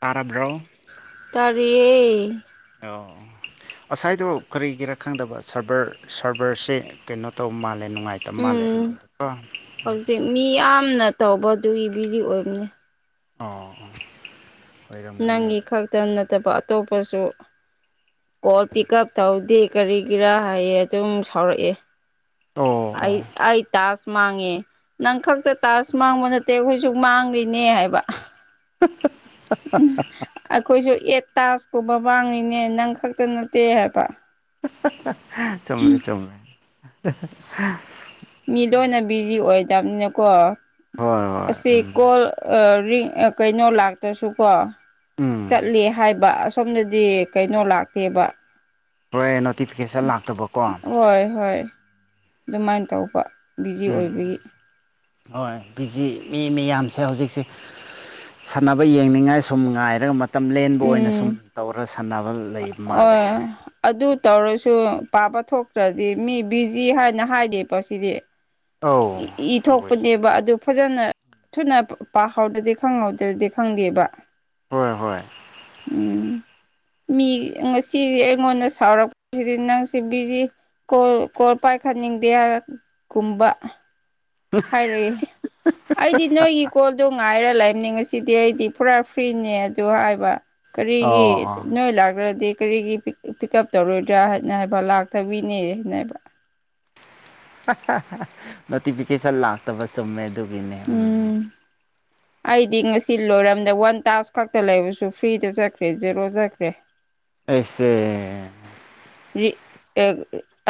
ꯇꯔꯥꯕ꯭ꯔꯣ ꯗꯦ ꯑꯣ ꯉꯁꯥꯏꯗꯣ ꯀꯔꯤꯒꯤꯔ ꯈꯪꯗꯕ ꯁꯔꯚꯔ ꯁꯔꯚꯔꯁꯦ ꯀꯩꯅꯣ ꯇꯧ ꯃꯥꯜꯂꯦ ꯅꯨꯡꯉꯥꯏꯇ ꯃꯥꯂꯦ ꯎꯝ ꯑꯩꯉꯣꯟꯗꯀꯣ ꯍꯧꯖꯤꯛ ꯃꯤ ꯌꯥꯝꯅ ꯇꯧꯕ ꯑꯗꯨꯒꯤ ꯕꯤꯖꯤ ꯑꯣꯏꯕꯅꯦ ꯑꯣ ꯅꯪꯒꯤ ꯑꯣꯏꯔꯝꯒꯅꯦꯕ ꯈꯛꯇ ꯅꯠꯇꯕ ꯑꯇꯣꯞꯄꯁꯨ ꯀꯣꯜ ꯄꯤꯛ ꯑꯞ ꯇꯧꯗꯦ ꯀꯔꯤꯒꯤꯔꯥ ꯍꯥꯏꯌꯦ ꯑꯗꯨꯝ ꯁꯥꯎꯔꯛꯑꯦ ꯑꯣ ꯑꯩ ꯑꯩ ꯇꯥꯁ ꯃꯥꯡꯉꯦ ꯅꯪ ꯈꯛꯇ ꯇꯥꯖ ꯃꯥꯡꯕ ꯅꯠꯇꯦ ꯑꯩꯈꯣꯏꯁꯨ ꯃꯥꯡꯂꯤꯅꯦ ꯍꯥꯏꯕ [unintelligible] ꯇꯥꯖꯀꯨꯝꯕ ꯃꯥꯡꯉꯤꯅꯦ ꯅꯪ ꯈꯛꯇ ꯅꯠꯇꯦ ꯍꯥꯏꯕ ꯆꯨꯝꯂꯦ ꯆꯨꯝꯂꯦ ꯌꯥꯝꯅꯀꯣ ꯍꯣꯏ ꯍꯣꯏ ꯑꯁꯤ ꯎꯝ ꯀꯣꯜ ꯑ ꯀꯩꯅꯣ ꯂꯥꯛꯇ꯭ꯔꯁꯨꯀꯣ ꯎꯝ ꯆꯠꯂꯦ ꯍꯥꯏꯕ ꯑꯁꯣꯝꯗꯗꯤ ꯀꯩꯅꯣ ꯂꯥꯛꯇꯦꯕ ꯍꯣꯏ ꯅꯣꯇꯤꯐꯤꯀꯦꯁꯟ ꯂꯥꯛꯇꯕꯀꯣ ꯍꯣꯏ ꯍꯣꯏ ꯑꯗꯨꯃꯥꯏꯅ ꯇꯧꯕ ꯕꯤꯖꯤ ꯎꯝ ꯑꯣꯏꯕꯒꯤ ꯍꯣꯏ ꯕꯤꯖꯤ ꯃꯤ ꯃꯤꯌꯥꯝꯁꯦ ꯍꯧꯖꯤꯛꯁꯦ ꯁꯥꯟꯅꯕ ꯌꯦꯡꯅꯤꯡꯉꯥꯏ ꯁꯨꯝ ꯉꯥꯏꯔꯒ ꯃꯇꯝ ꯂꯦꯟꯕ ꯑꯣꯏꯅ ꯎꯝ ꯁꯨꯝ ꯇꯧꯔ ꯁꯥꯟꯅꯕ ꯂꯩꯔ ꯃꯥꯜꯂꯦ ꯑꯣ ꯑꯗꯨ ꯇꯧꯔꯁꯨ ꯄꯥꯕ ꯊꯣꯛꯇ꯭ꯔꯗꯤ ꯃꯤ ꯕꯤꯖꯤ ꯍꯥꯏꯅ ꯍꯥꯏꯗꯦꯕ ꯁꯤꯗꯤ ꯑꯧ ꯏ ꯇꯧꯋꯦ ꯊꯣꯛꯄꯅꯦꯕ ꯑꯗꯨ ꯐꯖꯅ ꯊꯨꯅ ꯄꯥꯍꯧꯗ꯭ꯔꯗꯤ ꯈꯪꯍꯧꯗ꯭ꯔꯗꯤ ꯈꯪꯗꯦꯕ ꯍꯣꯏ ꯍꯣꯏ ꯎꯝ ꯃꯤ ꯉꯁꯤꯗꯤ ꯑꯩꯉꯣꯟꯗ ꯁꯥꯎꯔꯛꯄꯁꯤꯗꯤ ꯅꯪꯁꯤ ꯕꯤꯖꯤ ꯀꯣꯜ ꯀꯣꯜ ꯄꯥꯢ ꯈꯠꯅꯤꯡꯗꯦ ꯍꯥꯢꯔꯛ ꯀꯨꯝꯕ ꯍꯥꯏꯔꯛꯑꯦ ꯑꯩꯗꯤ ꯅꯣꯏꯒꯤ ꯀꯣꯜ ꯑꯗꯨ ꯉꯥꯏꯔꯦ ꯂꯥꯏꯕꯅꯤꯡꯁꯤꯗꯤ ꯑꯩꯗꯤ ꯄꯨꯔꯥ ꯐ꯭ꯔꯤꯅꯦ ꯑꯗꯨ ꯍꯥꯏꯕ ꯀꯔꯤꯒꯤ ꯑꯣ ꯑꯣ ꯅꯣꯏ ꯂꯥꯛꯔꯗꯤ ꯀꯔꯤꯒꯤ ꯄꯤꯛ ꯇꯧꯔꯣꯏꯗ꯭ꯔꯥ ꯍꯥꯏꯅ ꯍꯥꯏꯕ ꯂꯥꯛꯇꯕꯤꯅꯦ ꯍꯥꯏꯅ ꯍꯥꯏꯕ ꯅꯣꯇꯤꯐꯤꯀꯦꯁꯟ ꯂꯥꯛꯇꯕ ꯆꯨꯝꯃꯦ ꯑꯗꯨꯒꯤꯅꯦ ꯎꯝ ꯑꯩꯗꯤ ꯉꯁꯤ ꯂꯣꯏꯔꯝꯗ ꯋꯥꯟ ꯇꯥꯁ ꯈꯛꯇ ꯂꯩꯕꯁꯨ ꯐ꯭ꯔꯤꯗ ꯆꯠꯈ꯭ꯔꯦ ꯖꯦꯔꯣ ꯆꯠꯈ꯭ꯔꯦ ꯑꯩꯁꯦ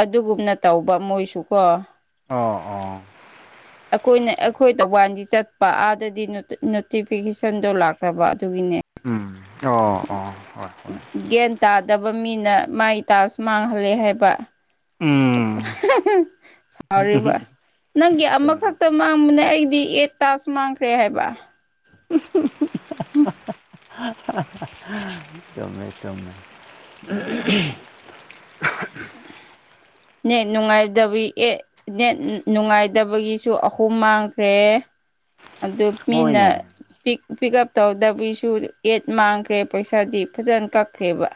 ꯑꯗꯨꯒꯨꯝꯅ ꯇꯧꯕ ꯃꯣꯏꯁꯨ ꯀꯣ ꯑꯣ ꯑꯣ ꯑꯩꯈꯣꯏꯅ ꯑꯩꯈꯣꯏ ꯇꯧꯕꯥꯜꯗꯤ ꯆꯠꯄ ꯑꯥꯗꯗꯤ ꯅꯣꯇꯤꯐꯤꯀꯦꯁꯟꯗꯣ ꯂꯥꯛꯇꯕ ꯑꯗꯨꯒꯤ ꯒꯤꯅꯦ ꯎꯝ ꯑꯣ ꯑꯣ ꯍꯣꯢ ꯒ꯭ꯌꯥꯟ ꯇꯥꯗꯕ ꯃꯤꯅ ꯃꯥꯏ ꯇꯥꯛꯁ ꯃꯥꯡꯍꯜꯂꯦ ꯍꯥꯏꯕ ꯎꯝ [unintelligible] ꯁꯥꯎꯔꯤꯕ ꯅꯪꯒꯤ ꯆꯨꯝꯃꯦ ꯑꯃꯈꯛꯇ ꯆꯨꯝꯃꯦ ꯃꯥꯡꯕꯅꯦ ꯑꯩꯗꯤ ꯑꯦꯠ ꯇꯥꯛꯁ ꯃꯪꯈ꯭ꯔꯦ ꯍꯥꯏꯕ ꯎꯝ ꯆꯨꯝꯃꯦ ꯆꯨꯝꯃꯦ ꯅꯦꯠ ꯅꯨꯡꯉꯥꯏꯗꯕ ꯑꯦ ꯅꯦꯠ ꯅꯨꯡꯉꯥꯏꯗꯕꯒꯤꯁꯨ ꯑꯍꯨꯝ ꯃꯥꯡꯈ꯭ꯔꯦ [unintelligible] ꯑꯗꯨ ꯃꯤꯅ ꯍꯣꯏꯅꯦ ꯄꯤꯛ ꯄꯤꯛ ꯎꯞ ꯇꯧꯗꯕꯒꯤꯁꯨ ꯑꯦꯠ ꯃꯥꯡꯈ꯭ꯔꯦ ꯄꯩꯁꯥꯗꯤ ꯐꯖꯅ ꯀꯛꯈ꯭ꯔꯦꯕ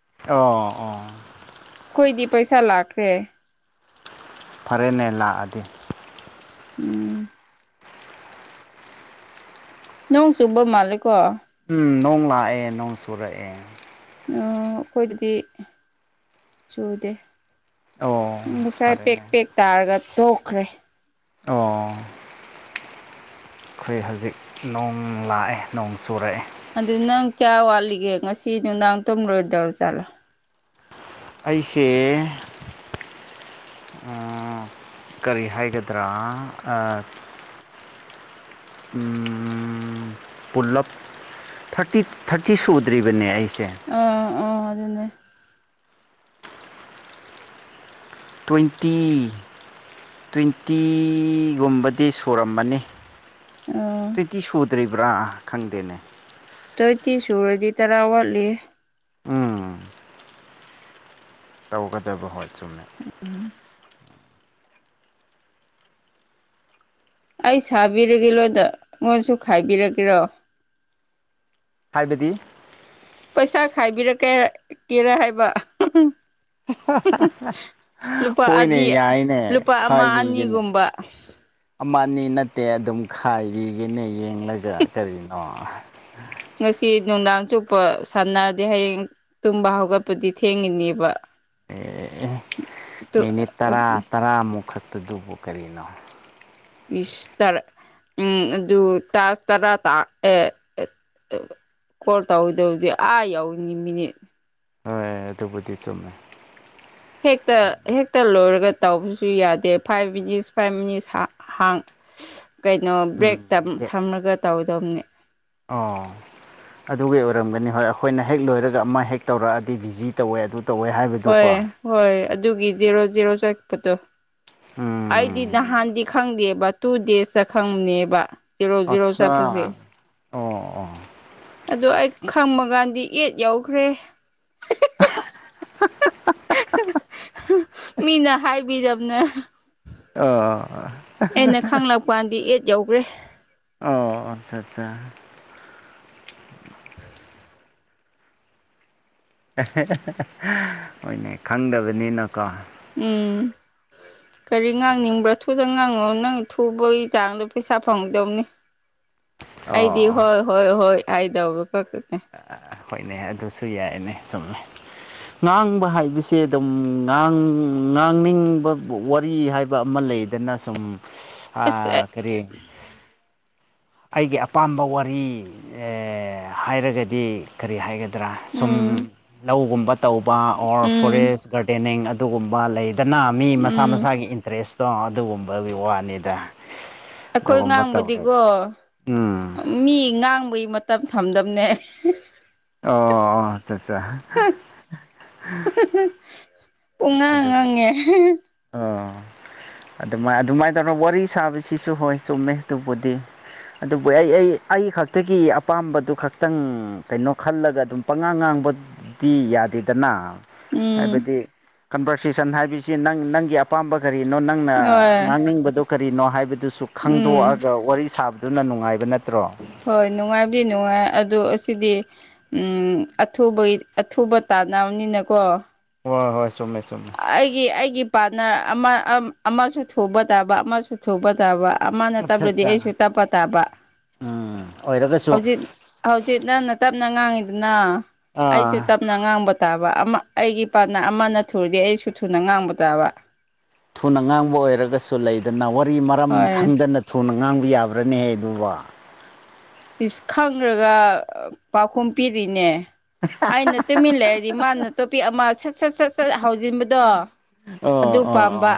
ꯑꯣ ꯑꯣ ꯑꯩꯈꯣꯏꯗꯤ ꯄꯩꯁꯥ ꯂꯥꯛꯈ꯭ꯔꯦ ꯐꯔꯦꯅꯦ ꯂꯥꯛꯑꯗꯤ ꯎꯝ ꯅꯣꯡꯆꯨꯕ ꯃꯥꯜꯂꯦꯀꯣ ꯎꯝ ꯅꯣꯡ ꯂꯥꯛꯑꯦ ꯅꯣꯡ ꯁꯨꯔꯛꯑꯦ ꯑꯩꯈꯣꯏꯗꯗꯤ ꯆꯨꯗꯦ ꯑꯣ ꯎ ꯉꯁꯥꯏ ꯄꯦꯛ ꯐꯔꯦꯅꯦ ꯄꯦꯛ ꯇꯥꯔꯒ ꯇꯣꯛꯈ꯭ꯔꯦ ꯑꯣ ꯑꯩꯈꯣꯏ ꯍꯧꯖꯤꯛ ꯅꯣꯡ ꯂꯥꯛꯑꯦ ꯅꯣꯡ ꯆꯨꯔꯛꯑꯦ ꯑꯗꯨ ꯅꯪ ꯀꯌꯥ ꯋꯥꯠꯂꯤꯒꯦ ꯉꯁꯤ ꯅꯨꯡꯗꯥꯡ ꯇꯨꯝꯔꯣꯏꯗꯧꯔ ꯖꯠꯂꯥ ꯑꯩꯁꯦ ꯑꯥ ꯀꯔꯤ ꯍꯥꯏꯒꯗ꯭ꯔꯥ ꯎꯝ ꯄꯨꯂꯞ ꯊꯥꯔꯇꯤ ꯊꯥꯔꯇꯤ ꯁꯨꯗ꯭ꯔꯤꯕꯅꯦ ꯑꯩ ꯑꯣ ꯑꯣ ꯑꯗꯨꯅꯦ ꯇ꯭ꯋꯦꯟꯇꯤ ꯇ꯭ꯋꯦꯟꯇꯤꯒꯨꯝꯕꯗꯤ ꯁꯨꯔꯝꯃꯅꯤ ꯑꯥ ꯇꯋꯦꯟꯇꯤ ꯁꯨꯗ꯭ꯔꯤꯕ꯭ꯔꯥ ꯈꯪꯗꯦꯅꯦ ꯇ꯭ꯣꯏꯇꯤ ꯁꯨꯔꯗꯤ ꯇꯔꯥ ꯋꯥꯠꯂꯤꯌꯦ ꯎꯝ ꯇꯧꯒꯗꯕ ꯍꯣꯏ ꯆꯨꯝꯃꯦ ꯑꯩ ꯁꯥꯕꯤꯔꯒꯦ ꯂꯣꯏꯗ ꯑꯩꯉꯣꯟꯁꯨ ꯈꯥꯏꯕꯤꯔꯀꯦꯔꯣ ꯍꯥꯏꯕꯗꯤ ꯄꯩꯁꯥ ꯈꯥꯏꯕꯤꯔꯛꯀꯦ ꯀꯦꯔꯥ ꯍꯥꯏꯕ ꯍꯥꯍꯥꯍꯥ [unintelligible] ꯍꯣꯏꯅꯦ ꯑꯅꯤ ꯌꯥꯏꯅꯦ ꯂꯨꯄꯥ ꯑꯃ ꯈꯥꯏꯕꯤꯒꯅꯦ ꯑꯅꯤꯒꯨꯝꯕ ꯑꯃ ꯅꯤ ꯅꯠꯇꯦ ꯑꯗꯨꯝ ꯈꯥꯏꯕꯤꯒꯅꯦ ꯌꯦꯡꯂꯒ ꯀꯔꯤꯅꯣ ꯉꯁꯤ ꯅꯨꯡꯗꯥꯡ ꯆꯨꯞꯄ ꯁꯥꯟꯅꯔꯗꯤ ꯍꯌꯦꯡ ꯇꯨꯝꯕ ꯍꯧꯒꯠꯄꯗꯤ ꯊꯦꯡꯉꯤꯅꯦꯕ ꯑꯦ ꯇꯨ ꯃꯤꯅꯤꯠ ꯇꯔꯥ ꯇꯔꯥꯃꯨꯛ ꯈꯛꯇꯗꯨꯕꯨ ꯀꯔꯤꯅꯣ ꯏꯁ ꯇꯔꯥ ꯎꯝ ꯑꯗꯨ ꯇꯥꯁ ꯇꯔꯥ ꯇ ꯑꯦ ꯀꯜ ꯇꯧꯑꯣꯏꯗꯧꯗꯤ ꯑꯥ ꯌꯥꯎꯅꯤ ꯃꯤꯅꯤꯠ ꯑꯍ ꯑꯗꯨꯕꯨꯗꯤ ꯆꯨꯝꯃꯦ ꯍꯦꯛꯇ ꯍꯦꯛꯇ ꯂꯣꯏꯔꯒ ꯗꯎꯕꯤꯁꯨꯨꯏꯌꯥ ꯗꯦ ꯐꯥꯏꯚ ꯃꯤꯅꯤꯠꯁ ꯐꯥꯏꯚ ꯃꯤꯅꯤꯠꯁ ꯍꯥꯡ ꯀꯩꯅꯣ ꯕ꯭ꯔꯦꯛ ꯎꯝ ꯊꯝꯂꯒ ꯇꯧꯗꯕꯅꯦ ꯑꯣ ꯑꯗꯨꯒꯤ ꯑꯣꯏꯔꯝꯒꯅꯤ ꯍꯣꯏ ꯑꯩꯈꯣꯏꯅ ꯍꯦꯛ ꯂꯣꯏꯔꯒ ꯑꯃ ꯍꯦꯛ ꯇꯧꯔꯛꯑꯗꯤ ꯕꯤꯖꯤ ꯇꯧꯋꯦ ꯑꯗꯨ ꯇꯧꯋꯦ ꯍꯣꯏ ꯍꯥꯏꯕꯗꯨꯀꯣ ꯍꯣꯏ ꯑꯗꯨꯒꯤ ꯖꯦꯔꯣ ꯖꯦꯔꯣ ꯆꯠꯄꯗꯣ ꯎꯝ ꯑꯩꯗꯤ ꯅꯍꯥꯟꯗꯤ ꯈꯪꯗꯦꯕ ꯇꯨ ꯗꯦꯖꯇ ꯈꯪꯕꯅꯦꯕ ꯖꯤꯔꯣ ꯖꯤꯔꯣ ꯑꯠꯆꯥ ꯆꯠꯄꯁꯦ ꯑꯣ ꯑꯣ ꯑꯗꯨ ꯑꯩ ꯈꯪꯃ ꯀꯥꯟꯗꯤ ꯑꯦꯠ ꯌꯥꯎꯈ꯭ꯔꯦ [unintelligible] ꯃꯤꯅ ꯍꯥꯏꯕꯤꯗꯝꯅꯦ ꯑꯣ ꯑꯩꯅ ꯈꯪꯂꯛꯄꯀꯥꯟꯗꯤ ꯑꯦꯠ ꯌꯧꯒ꯭ꯔꯦ [inaudible] [unintelligible] ꯍꯣꯏꯅꯦ ꯈꯪꯗꯕꯅꯤꯅꯀꯣ ꯎꯝ ꯀꯔꯤ ꯉꯥꯡꯅꯤꯡꯕ꯭ꯔꯥ ꯊꯨꯅ ꯉꯥꯡꯉꯛꯉꯣ ꯅꯪ ꯊꯨꯕꯩ ꯆꯥꯡꯗꯨ ꯄꯩꯁꯥ ꯐꯪꯗꯧꯅꯤ ꯑꯩꯗꯤ ꯑꯣ ꯍꯣꯏ ꯍꯣꯏ ꯍꯣꯏ ꯍꯥꯏꯗꯧꯕ ꯈꯛꯇꯅꯦ ꯍꯣꯏꯅꯦ ꯑꯗꯨꯁꯨ ꯌꯥꯏꯌꯦꯅꯦ ꯆꯨꯝꯃꯦ ꯉꯥꯡꯕ ꯍꯥꯏꯕꯁꯦ ꯑꯗꯨꯝ ꯉꯥꯡ ꯉꯥꯡꯅꯤꯡꯕꯕꯨ ꯋꯥꯔꯤ ꯍꯥꯏꯕ ꯑꯃ ꯂꯩꯗꯅ ꯁꯨꯝ ꯑꯁ ꯑ ꯀꯔꯤ ꯑꯩꯒꯤ ꯑꯄꯥꯝꯕ ꯋꯥꯔꯤ ꯑꯦ ꯍꯥꯏꯔꯒꯗꯤ ꯀꯔꯤ ꯍꯥꯏꯒ ꯗ꯭ꯔꯥ ꯁꯨꯝ ꯎꯝ ꯂꯧꯒꯨꯝꯕ ꯇꯧꯕ ꯑꯣꯔ ꯎꯝ ꯐꯣꯔꯦꯁ ꯒꯥꯔꯗꯦꯅꯤꯡ ꯑꯗꯨꯒꯨꯝꯕ ꯂꯩ ꯗꯅ ꯃꯤ ꯃꯁꯥ ꯎꯝ ꯃꯁꯥꯒꯤ ꯏꯟꯇ꯭ꯔꯦꯁꯇꯣ ꯑꯗꯨꯒꯨꯝꯕꯒꯤ ꯋꯥꯅꯤꯗ ꯑꯩꯈꯣꯏ ꯑꯗꯨꯒꯨꯝꯕ ꯇꯧꯔꯒ ꯉꯥꯡꯕꯗꯤꯀꯣ ꯎꯝ ꯃꯤ ꯉꯥꯡꯕꯒꯤ ꯃꯇꯝ ꯊꯝꯗꯝꯅꯦ ꯑꯣ ꯑꯣ ꯑꯆꯠꯆꯥ [unintelligible] ꯄꯨꯡꯉꯥꯡ ꯉꯥꯡꯉꯦ [inaudible] ꯑꯣ ꯑꯗꯨꯃꯥꯏ ꯑꯗꯨꯃꯥꯏ ꯇꯧꯔ ꯋꯥꯔꯤ ꯁꯥꯕꯁꯤꯁꯨ ꯍꯣꯏ ꯆꯨꯝꯃꯦ ꯑꯗꯨꯕꯨꯗꯤ ꯑꯗꯨꯕꯨ ꯑꯩ ꯑꯩ ꯑꯩ ꯈꯛꯇꯒꯤ ꯑꯄꯥꯝꯕꯗꯨ ꯈꯛꯇꯪ ꯀꯩꯅꯣ ꯈꯜꯂꯒ ꯑꯗꯨꯝ ꯄꯉꯥꯡ ꯉꯥꯡꯕ ꯗꯤ ꯌꯥꯗꯦꯗꯅ ꯎꯝ ꯍꯥꯏꯕꯗꯤ ꯀꯟꯚꯔꯁꯦꯁꯟ ꯍꯥꯏꯕꯁꯤ ꯅꯪ ꯅꯪꯒꯤ ꯑꯄꯥꯝꯕꯒ ꯀꯔꯤꯅꯣ ꯅꯪꯅ ꯍꯣꯏ ꯉꯥꯡꯅꯤꯡꯕꯗꯣ ꯀꯔꯤꯅꯣ ꯍꯥꯏꯕꯗꯨꯁꯨ ꯎꯝ ꯈꯪꯗꯣꯛꯑꯒ ꯋꯥꯔꯤ ꯁꯥꯕ ꯗꯨꯅ ꯅꯨꯡꯉꯥꯏꯕ ꯅꯠ ꯍꯣꯏ ꯅꯨꯡꯉꯥꯏꯕꯗꯤ ꯅꯨꯡꯉꯥꯏ ꯑꯗꯨ ꯎꯁ ꯁꯤꯗꯤ ꯎꯝ ꯑꯊꯨꯕꯩ ꯑꯊꯨꯕ ꯇꯥꯟꯅꯝꯅꯤꯅꯀꯣ ꯍꯣꯏ ꯍꯣꯏ ꯆꯨꯝꯃꯦ ꯆꯨꯝꯃꯦ ꯑꯩꯒꯤ ꯑꯩꯒꯤ ꯄ꯭ꯔꯥꯠꯅꯔ ꯑꯃ ꯑꯝ ꯑꯃꯁꯨ ꯊꯨꯕ ꯇꯥꯕ ꯑꯃꯁꯨ ꯊꯨꯕ ꯇꯥꯕ ꯑꯃꯅ ꯑꯠꯆꯥ ꯇꯞꯂꯗꯤ ꯑꯠꯆꯥ ꯑꯩꯁꯨ ꯇꯞꯄ ꯇꯥꯕ ꯎꯝ ꯑꯣꯏꯔꯒꯁꯨ ꯍꯧꯖꯤꯛ ꯍꯧꯖꯤꯛ ꯅꯪꯅ ꯇꯞꯅ ꯉꯥꯡꯉꯤ ꯅ ꯑꯩꯁꯨ ꯑꯥ ꯇꯞꯅ ꯉꯥꯡꯕ ꯇꯥꯕ ꯑꯃ ꯑꯩꯒꯤ ꯄ꯭ꯔꯥꯠꯅꯔ ꯑꯃꯅ ꯊꯨꯔꯗꯤ ꯑꯩꯁꯨ ꯊꯨꯅ ꯉꯥꯡꯕ ꯇꯥꯕ ꯊꯨꯅ ꯉꯥꯡꯕ ꯑꯣꯏꯔꯒꯁꯨ ꯂꯩꯗꯅ ꯋꯥꯔꯤ ꯃꯔꯝ ꯍꯣꯏ ꯈꯪꯗꯅ ꯊꯨꯅ ꯉꯥꯡꯕ ꯌꯥꯕ꯭ꯔꯥꯅꯦꯍꯦ ꯑꯗꯨꯕꯣ ꯏꯁ ꯈꯪꯗ꯭ꯔꯥꯒ ꯄꯥꯎꯈꯨꯝ ꯄꯤꯔꯤꯅꯦ ꯑꯩꯅ ꯇꯨꯃꯤꯟ ꯂꯩꯔꯗꯤ ꯃꯥꯅ ꯇꯣꯄꯤꯛ ꯑꯃ ꯁꯠ ꯁꯠ ꯁꯠ ꯁꯠ ꯍꯧꯖꯤꯟꯕꯗꯣ ꯑꯗꯨ ꯑꯣ ꯄꯥꯝꯕ ꯑꯣ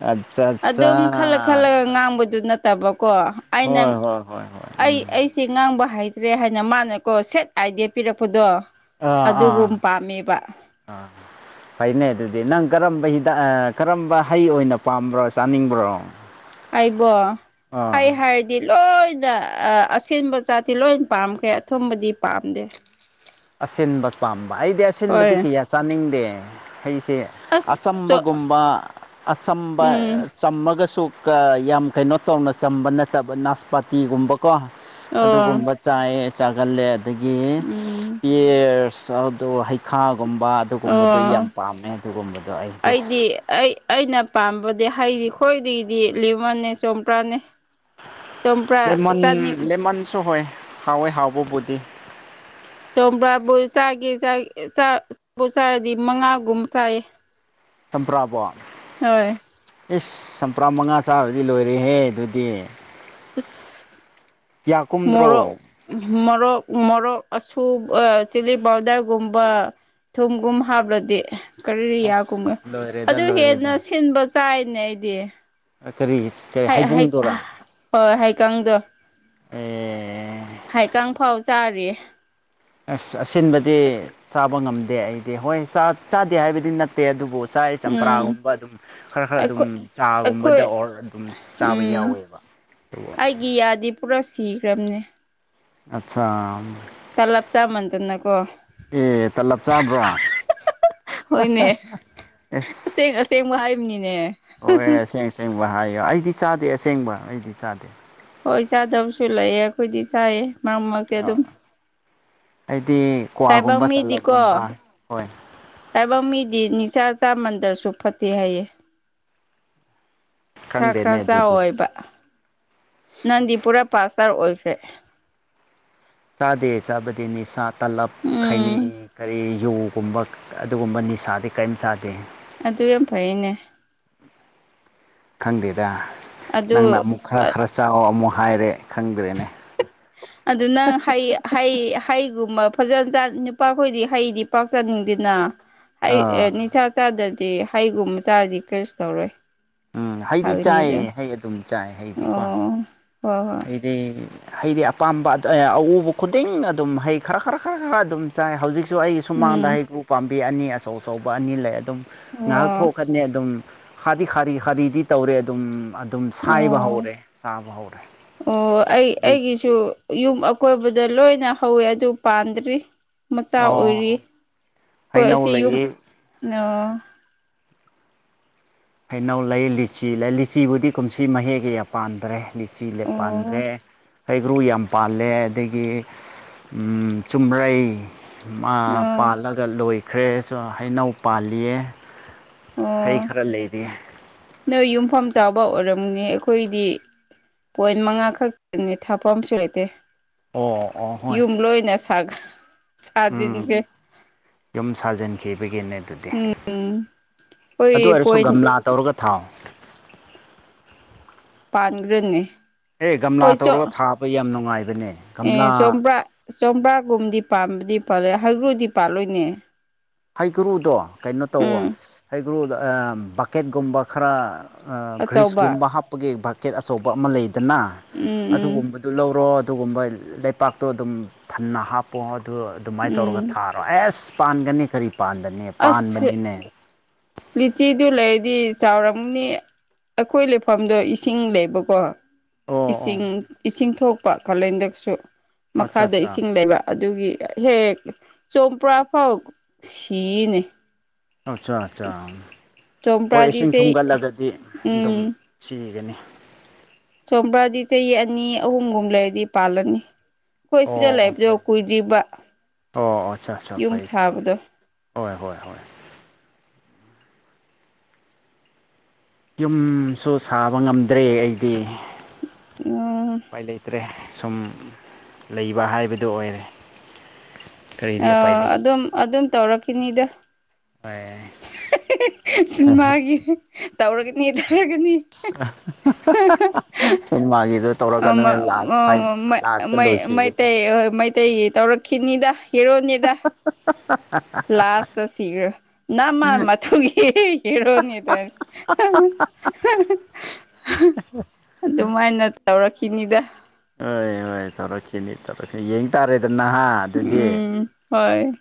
ꯑꯠꯆꯥ ꯑꯠꯆꯥ ꯑꯗꯨꯝ ꯈꯜꯂ ꯈꯜꯂꯒ ꯉꯥꯡꯕꯗꯨ ꯅꯠ ꯀꯣ ꯑꯩꯅ ꯍꯣꯏ ꯍꯣꯏ ꯍꯣꯏ ꯍꯣꯏ ꯑꯩ ꯑꯩꯁꯦ ꯉꯥꯡꯕ ꯍꯩ ꯔꯦ ꯍꯥꯏꯅ ꯃꯥꯅꯀꯣ ꯁꯦꯠ ꯑꯥꯏꯗꯤꯌꯥ ꯄꯤꯔꯛꯄꯗꯣ ꯑꯥ ꯑꯥ ꯑꯗꯨꯒꯨꯝ ꯄꯥꯝꯃꯦꯕ ꯑ ꯐꯩꯅꯦ ꯑꯗꯨꯗꯤ ꯅꯪ ꯀꯔꯝꯕ ꯍꯤꯗꯥꯛ ꯑ ꯀꯔꯝꯕ ꯍꯩ ꯑꯣꯏꯅ ꯄꯥꯝꯕ꯭ꯔꯣ ꯆꯥꯅꯤꯡꯕ꯭ꯔꯣ ꯑꯩꯕꯣ ꯑꯥ ꯍꯩ ꯍꯥꯏꯔꯗꯤ ꯂꯣꯏ ꯑꯩꯩꯅ ꯑꯁꯤꯟꯕ ꯖꯥꯠꯇꯤ ꯂꯣꯏ ꯄꯥꯝꯈ꯭ꯔꯦ ꯑꯊꯨꯝꯕꯗꯤ ꯄꯥꯝꯗꯦ ꯑꯁꯤꯟꯕ ꯄꯥꯝꯕ ꯑꯩꯗꯤ ꯑꯁꯤꯟꯕꯗꯤ ꯍꯣꯏ ꯀꯌꯥ ꯆꯥꯅꯤꯡꯗꯦ ꯍꯩꯁꯦ ꯑꯁ ꯆꯣ ꯑꯆꯝꯕꯒꯨꯝꯕ ꯑꯆꯝꯕ ꯎꯝ ꯆꯝꯃꯒꯁꯨ ꯀ ꯌꯥꯝ ꯀꯩꯅꯣ ꯇꯧꯅ ꯆꯝꯕ ꯅꯠꯇꯕ ꯅꯥꯁꯄꯥꯇꯤꯒꯨꯝꯕ ꯀꯣ ꯑꯣ ꯑꯗꯨꯒꯨꯝꯕ ꯆꯥꯏ ꯆꯥꯒꯜꯂꯦ ꯑꯗꯒꯤ ꯎꯝ ꯑꯔꯁ ꯑꯗꯨ ꯍꯩ ꯈꯥ ꯒꯨꯝꯕ ꯑꯗꯨꯒꯨꯝꯕꯗꯨ ꯑꯣ ꯌꯥꯝ ꯄꯥꯝꯃꯦ ꯑꯗꯨꯒꯨꯝꯕꯗꯣ ꯑꯩꯗꯤ ꯑꯩꯅ ꯄꯥꯝꯕꯗꯤ ꯍꯩꯗꯤ ꯈꯈꯣꯏꯗꯒꯤꯗꯤ ꯂꯃꯟꯅꯦ ꯆꯧꯝꯄ꯭ꯔꯥꯅꯦ ꯂꯃꯟ ꯂꯦꯃꯟꯁꯨ ꯍꯣꯏ ꯍꯥꯎꯋꯦ ꯍꯥꯎꯕꯕꯨꯗꯤ [inaudible] ꯆꯣꯕ꯭ꯔꯥꯕꯨ ꯆꯥꯒꯦ ꯆꯥꯕꯨ ꯆꯔꯗꯤ ꯃꯉꯥꯒꯨꯝ ꯆꯥꯏ ꯆꯝꯄ꯭ꯔꯥꯕꯨ ꯏꯁ ꯆꯝꯄ꯭ꯔꯥ ꯃꯉꯥ ꯆꯥꯔꯗꯤ ꯂꯣꯏꯔꯦꯍꯦ ꯑꯗꯨꯗꯤ ꯏꯁ ꯀꯌꯥ ꯃꯣꯔꯣꯛ ꯀꯨꯝꯗ꯭ꯔꯣ ꯃꯣꯔꯣꯛ ꯃꯣꯔꯣꯛ ꯑꯁꯨ ꯆꯤꯂꯤ ꯄꯥꯎꯗꯔꯒꯨꯝꯕ ꯊꯨꯝꯒꯨꯝ ꯍꯥꯞꯂꯗꯤ ꯀꯔꯤ ꯑꯁ ꯌꯥꯀꯨꯝꯒ ꯂꯣꯏꯔꯦꯗ ꯑꯗꯨ ꯍꯦꯟꯅ ꯂꯣꯏꯔꯦꯗ ꯁꯤꯟꯕ ꯆꯥꯏꯅꯦ ꯑꯩꯗꯤ ꯀꯔꯤ ꯀꯔꯤ ꯍꯥꯏꯠ ꯑꯍꯤꯠ ꯍꯩꯕꯨꯡꯗꯨꯔꯥ ꯍꯣꯏ ꯍꯩ ꯀꯪꯗꯣ ꯑꯦ ꯍꯥꯏꯀꯪ ꯐꯥꯎ ꯆꯥꯔꯤꯌꯦ ꯑꯁ ꯑꯁꯤꯟꯕꯗꯤ ꯆꯥꯕ ꯉꯝꯗꯦ ꯑꯩꯗꯤ ꯍꯣꯏ ꯆꯥꯗꯦ ꯍꯥꯏꯕꯗꯤ ꯅꯠꯇꯦ ꯑꯗꯨꯕꯨ ꯆꯥꯏꯌꯦ ꯎꯝ ꯆꯝꯄ꯭ꯔꯥꯒꯨꯝꯕ ꯑꯗꯨꯝ ꯈꯔ ꯈꯔ ꯑꯗꯨꯝ ꯑꯩꯈꯣꯏ ꯑꯩꯈꯣꯏ ꯆꯥꯒꯨꯝꯕꯗ ꯑꯣꯔ ꯑꯗꯨꯝ ꯆꯥꯕ ꯎꯝ ꯌꯥꯎꯋꯦꯕ ꯑꯩꯒꯤ ꯌꯥꯗꯤ ꯄꯨꯔꯥ ꯁꯤꯈ꯭ꯔꯕꯅꯦ ꯑꯠꯆꯥ ꯇꯂꯞ ꯆꯥꯃꯟ ꯗꯅꯀꯣ ꯑꯦ ꯇꯂꯞ ꯆꯥꯕ꯭ꯔꯥ ꯍꯥ ꯍꯥ ꯍꯣꯏꯅꯦ ꯏꯁ ꯑꯁꯦꯡ ꯑꯁꯦꯡꯕ ꯍꯥꯏꯕꯅꯤꯅꯦ ꯑꯣꯏ ꯑꯁꯦꯡ ꯑꯁꯦꯡꯕ ꯍꯥꯏꯌꯣ ꯑꯩꯗꯤ ꯆꯥꯗꯦ ꯑꯁꯦꯡꯕ ꯑꯩꯗꯤ ꯆꯥꯗꯦ ꯍꯣꯏ ꯆꯥꯗꯕꯁꯨ ꯂꯩꯌꯦ ꯑꯩꯈꯣꯏꯗꯤ ꯆꯥꯏꯌꯦ ꯃꯔꯛ ꯃꯔꯛꯇ ꯑꯗꯨꯝ ꯑꯩꯗꯤ ꯇꯥꯏꯕꯪ ꯀ꯭ꯋꯥꯒꯨꯝꯕ ꯃꯤꯗꯤꯀꯣ ꯇꯂꯞꯒꯨꯝꯕ ꯍꯣꯏ ꯇꯥꯏꯕꯪ ꯃꯤꯗꯤꯅꯤꯁꯥ ꯆꯥ ꯃꯟꯗꯔꯁꯨ ꯐꯠꯇꯦ ꯍꯥꯏꯌꯦ ꯈꯔ ꯈꯔ ꯈꯪꯗꯦꯅꯦ ꯑꯗꯨꯗꯤ ꯆꯥꯎꯌꯣꯏꯕ ꯍꯥꯢꯕ ꯅꯪꯗꯤ ꯄꯨꯔꯥ ꯄꯥꯁ ꯇꯔ ꯑꯣꯏꯈ꯭ꯔꯦ ꯆꯥꯗꯦ ꯆꯥꯕꯗꯤ ꯅꯤꯁꯥ ꯇꯥꯂꯞ ꯈꯥꯏꯅꯤ ꯎꯝ ꯀꯔꯤ ꯌꯨꯒꯨꯝꯕ ꯑꯗꯨꯒꯨꯝꯕ ꯅꯤꯁꯥꯗꯤ ꯀꯔꯤꯝ ꯆꯥꯗꯦ ꯑꯗꯨ ꯌꯥꯝ ꯐꯩꯌꯦꯅꯦ ꯈꯪꯗꯦꯗ ꯅꯪꯅ ꯑꯃꯨꯛ ꯈꯔ ꯈꯔ ꯆꯥꯋꯣꯑꯣ ꯑꯃꯨꯛ ꯍꯥꯏꯔꯦ ꯈꯪꯗ꯭ꯔꯦꯅꯦ ꯑꯗꯨ ꯅꯪ ꯍꯩ ꯍꯩ ꯍꯩꯒꯨꯝꯕ ꯐꯖ ꯆꯥ ꯅꯨꯄꯥꯈꯣꯏꯗꯤ ꯍꯩꯗꯤ ꯄꯥꯛ ꯆꯥꯅꯤꯡꯗꯦꯅ ꯑꯩ ꯑꯦ ꯑꯥ ꯅꯤꯁꯥ ꯆꯥꯗ ꯗꯤ ꯍꯩꯒꯨꯝꯕ ꯆꯥꯔꯗꯤ ꯀꯔꯤꯁꯨ ꯇꯧꯔꯣꯏ ꯎꯝ ꯍꯩꯗꯤ ꯐꯒꯅꯤ ꯆꯥꯏꯌꯦ ꯑꯗꯨꯝ ꯍꯩ ꯑꯗꯨꯝ ꯆꯥꯏ ꯍꯩꯗꯤꯀꯣ ꯑꯣ ꯍꯣꯏ ꯍꯣꯏ ꯑꯩꯗꯤ ꯍꯩꯗꯤ ꯑꯄꯥꯝꯕ ꯑꯎꯕ ꯈꯨꯗꯤꯡ ꯑꯗꯨꯝ ꯍꯩ ꯈꯔ ꯈꯔ ꯈꯔ ꯈꯔ ꯑꯗꯨꯝ ꯆꯥꯏ ꯍꯧꯖꯤꯛ ꯑꯩꯁꯨ ꯑꯩꯒꯤ ꯁꯨꯃꯥꯡꯗ ꯎꯝ ꯍꯩꯀꯔꯨ ꯄꯥꯝꯕꯤ ꯑꯅꯤ ꯑꯆꯧ ꯑꯆꯧꯕ ꯑꯅꯤ ꯂꯩ ꯑꯗꯨꯝ ꯉꯥꯏꯍꯥꯛ ꯑꯣ ꯊꯣꯛꯀꯅꯤ ꯑꯗꯨꯝ ꯈꯗꯤ ꯈꯥꯔꯤ ꯈꯔꯤꯗꯤ ꯇꯧꯔꯦ ꯑꯗꯨꯝ ꯑꯗꯨꯝ ꯁꯥꯏꯕ ꯑꯣ ꯍꯧꯔꯦ ꯆꯥꯕ ꯍꯧꯔꯦ ꯑꯣ ꯑꯩ ꯑꯩꯒꯤꯁꯨ ꯌꯨꯝ ꯑꯀꯣꯏꯕꯗ ꯂꯣꯏꯅ ꯍꯧꯋꯦ ꯑꯗꯨ ꯄꯥꯟꯗ꯭ꯔꯤ ꯃꯆꯥ ꯑꯣ ꯑꯣꯏꯔꯤ ꯑꯩꯈꯣꯏ ꯍꯩꯅꯧ ꯑꯁꯤ ꯌꯨꯝ ꯂꯩꯌꯦ ꯑ ꯍꯩꯅꯧ ꯂꯩ ꯂꯤꯆꯤ ꯂꯩ ꯂꯤꯆꯤꯕꯨꯗꯤ ꯀꯨꯝꯁꯤ ꯃꯍꯩ ꯀꯌꯥ ꯄꯥꯟꯗ꯭ꯔꯦ ꯂꯤꯆꯤ ꯂꯦ ꯑꯣ ꯄꯥꯟꯗ꯭ꯔꯦ ꯍꯩꯒ꯭ꯔꯨ ꯌꯥꯝ ꯄꯥꯜꯂꯦ ꯑꯗꯒꯤ ꯆꯨꯝꯔꯩ ꯑꯃ ꯑꯣ ꯄꯥꯜꯂꯒ ꯂꯣꯏꯈ꯭ꯔꯦ ꯁꯨ ꯍꯩꯅꯧ ꯄꯥꯜꯂꯤꯌꯦ ꯍꯩ ꯑꯣ ꯈꯔ ꯂꯩꯔꯤꯌꯦ ꯅꯣꯏ ꯌꯨꯝꯐꯝ ꯆꯥꯕ ꯑꯣꯏꯔꯝꯅꯤ ꯑꯩꯈꯣꯏꯗꯤ ꯄꯣꯏꯟ ꯃꯉꯥ ꯈꯛꯇꯅꯦ ꯊꯥꯐꯝꯁꯨ ꯂꯩꯇꯦ ꯑꯣ ꯑꯣ ꯍꯣꯏ ꯌꯨꯝ ꯂꯣꯏꯅ ꯁꯥꯒ ꯎꯝ ꯁꯥꯖꯤꯟꯈ꯭ꯔꯦ ꯌꯨꯝ ꯁꯥꯖꯤꯟꯈꯤ ꯕꯒꯤꯅꯦ ꯑꯗꯨꯗꯤ ꯎꯝ ꯑꯗꯨ ꯍꯣꯏ ꯑꯣꯏꯔꯁꯨ ꯄꯣꯏꯟ ꯒꯝꯂꯥ ꯇꯧꯔꯒ ꯊꯥꯎ ꯄꯥꯟꯈ꯭ꯔꯅꯤ ꯑꯦ ꯒꯝꯂꯥ ꯍꯣꯏ ꯆꯣ ꯇꯧꯔꯒ ꯊꯥꯕ ꯌꯥꯝ ꯅꯨꯡꯉꯥꯏꯕꯅꯦ ꯒꯝꯂꯥ ꯆꯧꯝꯄ꯭ꯔꯥꯒꯨꯝꯗꯤ ꯄꯥꯝꯕꯗꯤ ꯄꯥꯜꯂꯦ ꯍꯩꯀꯔꯨꯗꯤ ꯄꯥꯜꯂꯣꯏꯅꯦ ꯍꯩꯀꯔꯨꯗꯣ ꯀꯩꯅꯣ ꯇꯧꯋꯣ ꯎꯝ ꯍꯩꯀꯔꯨꯗꯣ ꯕꯛꯀꯦꯠꯀꯨꯝꯕ ꯈꯔ ꯑꯆꯧꯕ ꯒ꯭ꯔꯤꯁꯀꯨꯝꯕ ꯍꯥꯞꯄꯒꯤ ꯕꯛꯀꯦꯠ ꯑꯆꯧꯕ ꯑꯃ ꯂꯩꯗꯅ ꯎꯝ ꯎꯝ ꯑꯗꯨꯒꯨꯝꯕꯗꯨ ꯂꯧꯔꯣ ꯑꯗꯨꯒꯨꯝꯕ ꯂꯩꯄꯥꯛꯇꯣ ꯑꯗꯨꯝ ꯊꯟꯅ ꯍꯥꯞꯄꯣ ꯑꯗꯨ ꯑꯗꯨꯃꯥꯏꯅ ꯇꯧꯔꯒ ꯎꯝ ꯊꯥꯔꯣ ꯑꯦ ꯑꯁ ꯄꯥꯟꯒꯅꯤ ꯀꯔꯤ ꯄꯥꯟꯒꯅꯤ ꯑꯁ ꯄꯥꯟꯕꯅꯤꯅꯦ ꯂꯤꯆꯤꯗꯨ ꯂꯩꯔꯗꯤ ꯆꯥꯎꯔꯝꯅꯤ ꯑꯩꯈꯣꯏ ꯂꯩꯐꯝꯗꯣ ꯏꯁꯤꯡ ꯂꯩꯕꯀꯣ ꯑꯣ ꯑꯣ ꯏꯁꯤꯡ ꯏꯁꯤꯡ ꯊꯣꯛꯄ ꯀꯥꯂꯦꯟꯗꯁꯨ ꯑꯠꯆꯥ ꯃꯈꯥꯗ ꯑꯠꯆꯥ ꯏꯁꯤꯡ ꯂꯩꯕ ꯑꯗꯨꯒꯤ ꯍꯦꯛ ꯆꯣꯝꯄ꯭ꯔꯥ ꯐꯥꯎ ꯁꯤꯌꯦꯅꯦ ꯑꯆꯥ ꯑꯠꯆꯥ ꯍꯣꯏ ꯆꯣꯝꯄ꯭ꯔꯥꯗꯤ ꯏꯁꯤꯡ ꯆꯩ ꯊꯨꯝꯒꯠꯂꯒꯗꯤ ꯑꯗꯨꯝ ꯎꯝ ꯁꯤꯒꯅꯤ ꯆꯣꯝꯄ꯭ꯔꯥꯗꯤ ꯆꯍꯤ ꯑꯅꯤ ꯑꯍꯨꯝꯒꯨꯝ ꯂꯩꯔꯗꯤ ꯄꯥꯜꯂꯅꯤ ꯑꯩꯈꯣꯏ ꯑꯣ ꯁꯤꯗ ꯑꯣ ꯂꯩꯕꯗꯣ ꯐꯔꯦ ꯐꯔꯦ ꯀꯨꯏꯗ꯭ꯔꯤꯕ ꯑꯣ ꯑꯆꯥ ꯑꯆꯥ ꯌꯨꯝ ꯐꯩ ꯐꯩ ꯁꯥꯕꯗꯣ ꯑꯗꯨꯗꯤ ꯍꯣꯏ ꯍꯣꯏ ꯍꯣꯏ ꯌꯨꯝꯁꯨ ꯁꯥꯕ ꯉꯝꯗ꯭ꯔꯦ ꯑꯩꯗꯤ ꯎꯝ ꯎꯄꯥꯏ ꯂꯩꯇ꯭ꯔꯦ ꯁꯨꯝ ꯂꯩꯕ ꯍꯥꯏꯕꯗꯣ ꯑꯣꯏꯔꯦ ꯀꯔꯤꯗꯤ ꯎꯄꯥꯏ ꯑꯥ ꯂꯩ ꯑꯗꯨꯝ ꯑꯗꯨꯝ ꯇꯧꯔꯛꯈꯤꯅꯤꯗ ꯍꯣꯏ ꯁꯤꯟꯃꯥꯒꯤ ꯇꯧꯔꯒꯅꯤ ꯇꯧꯔꯒꯅꯤ ꯁꯤꯅꯦꯃꯥꯒꯤꯗꯣ ꯑ ꯇꯧꯔꯛꯀꯅꯨ ꯑꯃ ꯂꯥꯁ ꯐꯥꯏ ꯃ ꯂꯥꯁꯇ ꯃꯩꯇꯩ ꯂꯣꯏꯈꯤꯕꯗꯣ ꯃꯩ ꯃꯩꯇꯩꯒꯤ ꯇꯧꯔꯛꯈꯤꯅꯤꯗ ꯍꯦꯔꯣꯅꯤꯗ ꯂꯥꯁꯇꯁꯤꯒ ꯅꯃꯃꯊꯨꯒꯤ ꯍꯤꯔꯣꯅꯤꯗ ꯍꯥ ꯍꯥ ꯍꯥꯍꯡ ꯑꯗꯨꯃꯥꯏꯅ ꯇꯧꯔꯛꯈꯤꯅꯤꯗ ꯀꯩ ꯇꯧꯔꯛꯈꯤꯅꯤ ꯇꯧꯔꯛꯈꯤꯅꯤ ꯌꯦꯡ ꯇꯥꯔꯦꯗ ꯍꯥ ꯑꯗꯨꯗꯤ ꯎꯝ ꯍꯣꯏ